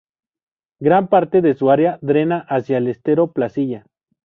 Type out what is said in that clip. Gran parte de su área drena hacia el Estero Placilla.